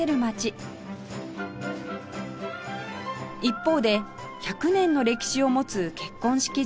一方で１００年の歴史を持つ結婚式場